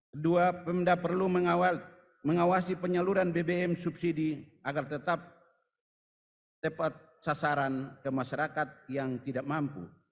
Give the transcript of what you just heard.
kedua pemda perlu mengawasi penyaluran bbm subsidi agar tetap tepat sasaran ke masyarakat yang tidak mampu